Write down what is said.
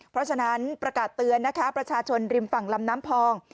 เพราะฉะนั้นประกาศเตือนนะคะประชาชนริมฝั่งลำน้ำพอง